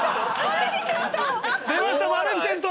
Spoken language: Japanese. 出ましたマレフィセント！